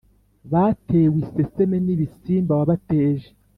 batewe iseseme n’ibisimba wabateje,